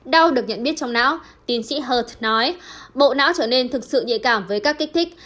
đau được nhận biết trong não tiến sĩ hờ nói bộ não trở nên thực sự nhạy cảm với các kích thích